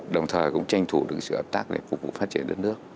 đồng thời cũng tranh thủ được sự hợp tác để phục vụ phát triển đất nước